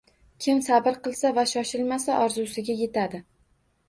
Kim sabr qilsa va shoshilmasa, orzusiga yetadi.